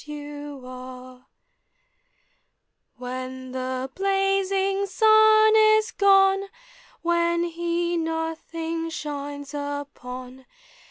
105 When the blazing sun is gone, When he nothing shines upon